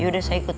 yaudah saya ikut